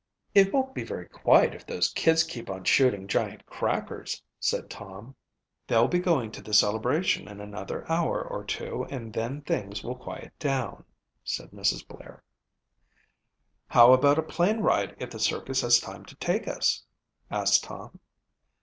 "It won't be very quiet if those kids keep on shooting giant crackers," said Tom. "They'll be going to the celebration in another hour or two and then things will quiet down," said Mrs. Blair. "How about a plane ride if the circus has time to take us?" asked Tom.